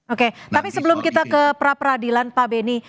oke tapi sebelum kita ke pra peradilan pak beni